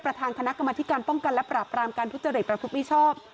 ประทำกรรมไทยการป้องกันและปราบการทุศเจริญตรรพุทธมิเชาะ